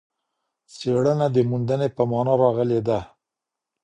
څېړنه د موندنې په مانا راغلې ده.